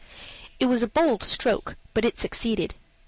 It was a bold stroke, but it succeeded.